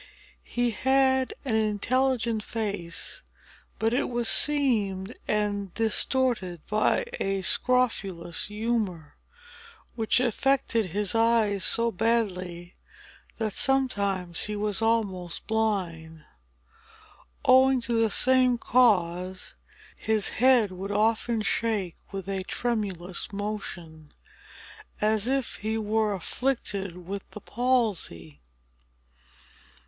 He had an intelligent face; but it was seamed and distorted by a scrofulous humor, which affected his eyes so badly, that sometimes he was almost blind. Owing to the same cause, his head would often shake with a tremulous motion, as if he were afflicted with the palsy.